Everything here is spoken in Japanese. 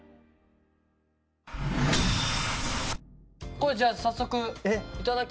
これじゃあ早速いただきましょうか。